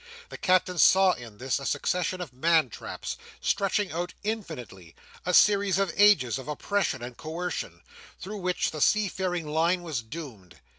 The Captain saw in this a succession of man traps stretching out infinitely; a series of ages of oppression and coercion, through which the seafaring line was doomed.